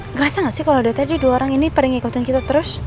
ngerasa gak sih kalau dari tadi dua orang ini pada ngikutin kita terus